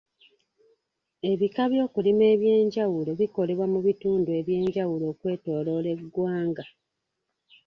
Ebika by'okulima eby'enjawulo bikolebwa mu bitundu eby'enjawulo okwetooloola eggwanga.